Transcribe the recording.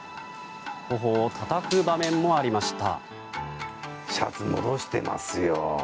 頬をたたく場面もありました。